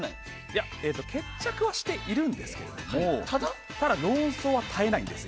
いや、決着はしているんですけれどもただ、論争は絶えないんです。